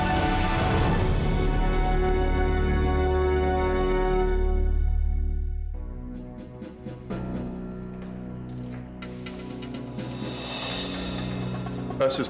boleh kita marah dulu